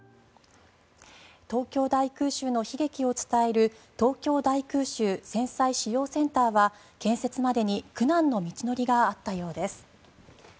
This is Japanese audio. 東京大空襲の悲劇を伝える東京大空襲・戦災資料センターは建設までに苦難の道のりがあったようです。